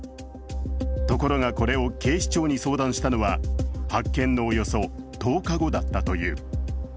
ところがこれを警視庁に相談したのは発見のおよそ１０日後だったという。